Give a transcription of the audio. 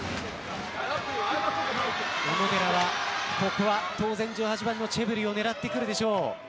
小野寺はここは当然１８番のチェブリを狙うでしょう。